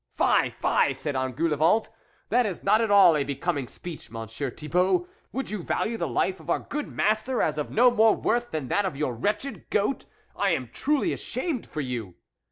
" Fie, fie !" said Engoulevent, " that is not at all a becoming speech, Monsieur Thibault, " would you value the life of our good master as of no more worth than that of your wretched goat ? I am truly ashamed for you."